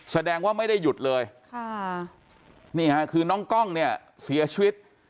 แสดงว่าไม่ได้หยุดเลยค่ะนี่ค่ะคือน้องกล้องเนี่ยเสียชีวิต